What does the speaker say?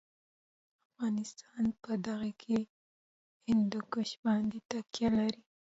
افغانستان په دغه هندوکش باندې تکیه لري.